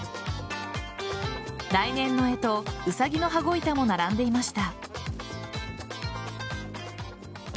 来年の干支うさぎの羽子板も並んでいました。